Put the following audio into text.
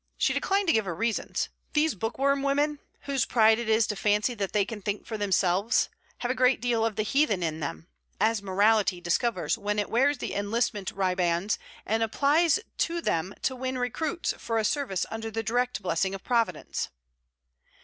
She declined to give her reasons. These bookworm women, whose pride it is to fancy that they can think for themselves, have a great deal of the heathen in them, as morality discovers when it wears the enlistment ribands and applies yo them to win recruits for a service under the direct blessing of Providence.